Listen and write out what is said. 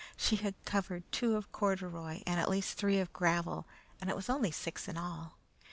She had covered two of corduroy and at least three of gravel, and it was only six in all.